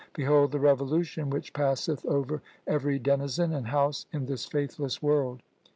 Behold the revolution which passeth over every denizen and house in this faithless world.